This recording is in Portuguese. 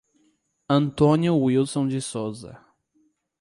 Antônio Wilson de Souza